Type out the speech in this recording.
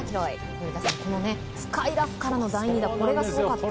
古田さん、深いラフからの第２打これがすごかった。